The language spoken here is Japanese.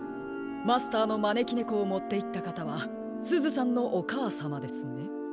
マスターのまねきねこをもっていったかたはすずさんのおかあさまですね？